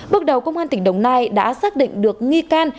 bước đầu công an tỉnh đồng nai đã xác định được nghi can